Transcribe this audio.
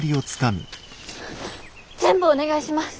全部お願いします！